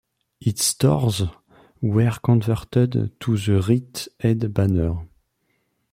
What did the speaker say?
Its stores were converted to the Rite Aid banner.